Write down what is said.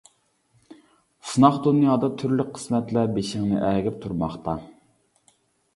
سىناق دۇنيادا تۈرلۈك قىسمەتلەر بېشىڭنى ئەگىپ تۇرماقتا.